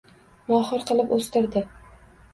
Mohir qilib o’stirdi…